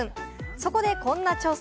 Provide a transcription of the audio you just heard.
そこでこんな調査。